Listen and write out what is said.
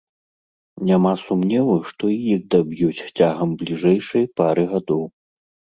Няма сумневу, што і іх даб'юць цягам бліжэйшай пары гадоў.